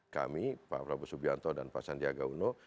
kami pak prabowo subianto dan pak sandiaga uno